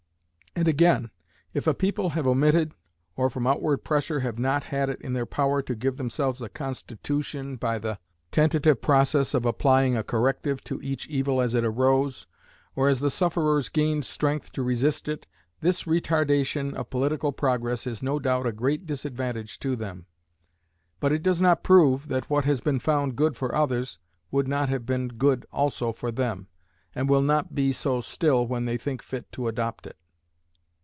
And again, if a people have omitted, or from outward pressure have not had it in their power to give themselves a constitution by the tentative process of applying a corrective to each evil as it arose, or as the sufferers gained strength to resist it, this retardation of political progress is no doubt a great disadvantage to them, but it does not prove that what has been found good for others would not have been good also for them, and will not be so still when they think fit to adopt it.